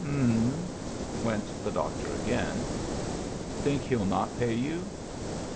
" M*m," went the doctor again. " Think he'll not pay you ?